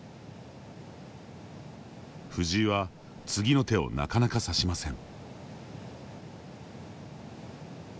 藤井は次の手をなかなか指しません。